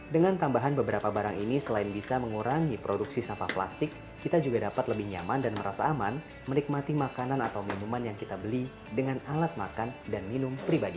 dengan tambahan beberapa barang ini selain bisa mengurangi produksi sampah plastik kita juga dapat lebih nyaman dan merasa aman menikmati makanan atau minuman yang kita beli dengan alat makan dan minum pribadi